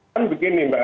kan begini mbak